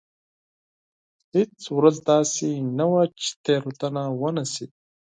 هېڅ ورځ داسې نه وه چې تېروتنه ونه شي.